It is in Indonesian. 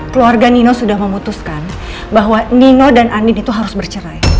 keluarga nino sudah memutuskan bahwa nino dan andin itu harus bercerai